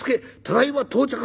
ただいま到着